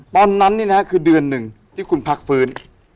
ตอนนี้นะครับคือเดือนหนึ่งที่คุณพักฟื้น